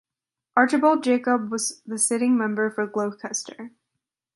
Archibald Jacob was the sitting member for Gloucester.